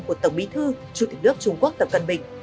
của tổng bí thư chủ tịch nước trung quốc tập cận bình